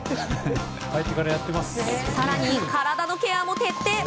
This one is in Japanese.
更に体のケアも徹底。